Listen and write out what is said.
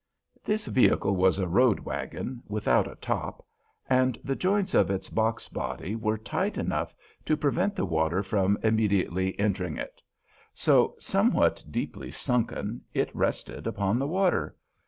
This vehicle was a road wagon, without a top, and the joints of its box body were tight enough to prevent the water from immediately entering it; so, somewhat deeply sunken, it rested upon the water.